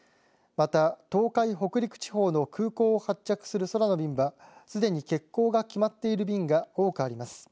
また、東海北陸地方の空港を発着する空の便はすでに欠航が決まっている便が多くあります。